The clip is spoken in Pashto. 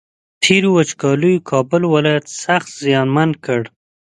تېرو وچکالیو کابل ولایت سخت زیانمن کړ